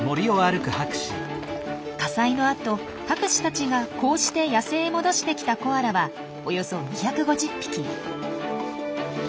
火災のあと博士たちがこうして野生へ戻してきたコアラはおよそ２５０匹。